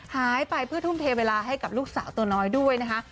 หายไปเพื่อทุ่มเทเวลาให้กับลูกสาวตัวน้อยด้วยนะคะ